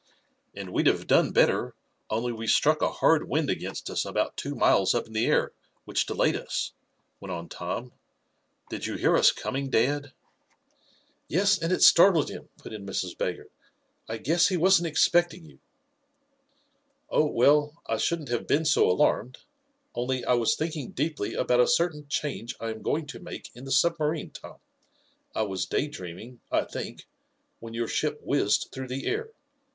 "And we'd have done better, only we struck a hard wind against us about two miles up in the air, which delayed us," went on Tom. "Did you hear us coming, dad?" "Yes, and it startled him," put in Mrs. Baggert. "I guess he wasn't expecting you." "Oh, well, I shouldn't have been so alarmed, only I was thinking deeply about a certain change I am going to make in the submarine, Tom. I was day dreaming, I think, when your ship whizzed through the air.